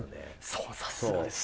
そうさすがです。